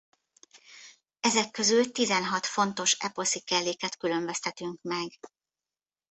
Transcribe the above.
Ezek közül tizenhat fontos eposzi kelléket különböztetünk meg.